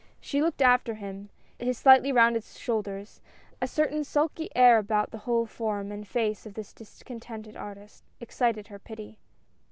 She looked after him ; his slightly rounded shoulders, a certain sulky air about the whole form and face of this discontented artist, excited her pity.